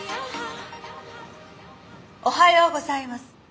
おはようございます。